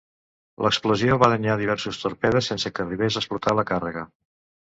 L'explosió va danyar diversos torpedes sense que arribés a explotar la càrrega.